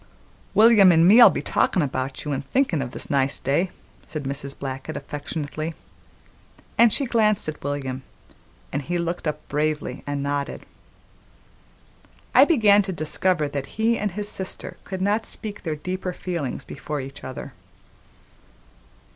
"William an' me'll be talkin' about you an' thinkin' o' this nice day," said Mrs. Blackett affectionately, and she glanced at William, and he looked up bravely and nodded. I began to discover that he and his sister could not speak their deeper feelings before each other.